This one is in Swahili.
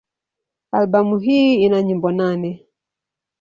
Albamu hii ina nyimbo nane.